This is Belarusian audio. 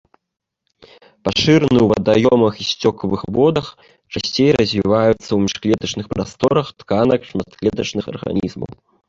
Пашыраны ў вадаёмах і сцёкавых водах, часцей развіваюцца ў міжклетачных прасторах тканак шматклетачных арганізмаў.